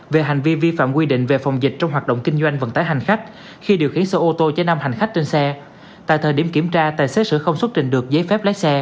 về hành vi vi phạm quy định về phòng dịch trong hoạt động kinh doanh vận tải hành khách khi điều khiển sơ ô tô chế năm hành khách trên xe